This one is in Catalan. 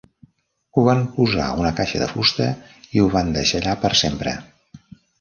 Ho van posar a una caixa de fusta i ho van deixar allà per sempre.